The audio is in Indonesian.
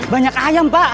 banyak ayam pak